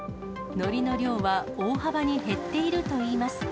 のりの量は大幅に減っているといいます。